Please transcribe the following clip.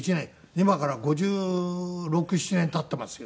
今から５６５７年経っていますよ。